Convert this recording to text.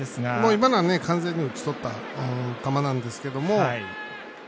今のは完全に打ちとった球なんですけども。